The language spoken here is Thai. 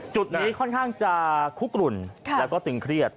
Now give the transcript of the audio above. จุดนี้ค่อนข้างจะคุกกลุ่นแล้วก็ตึงเครียด